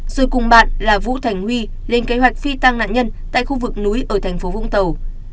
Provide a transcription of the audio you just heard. rồi cùng bạn là vũ thành huy lên kế hoạch phi tăng nạn nhân tại khu vực núi ở thành phố vũng tàu